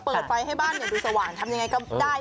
เปิดไฟให้บ้านดูสว่างทำยังไงก็ได้